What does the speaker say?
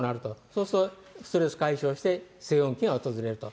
そうすると、ストレス解消して、静穏期が訪れると。